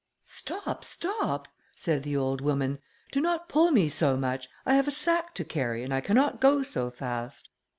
"Stop! stop!" said the old woman, "do not pull me so much, I have my sack to carry, and I cannot go so fast."